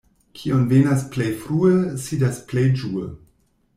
Kiu venas plej frue, sidas plej ĝue.